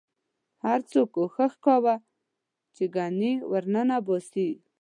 هر څوک کوښښ کاوه چې ګنې ورننه باسي.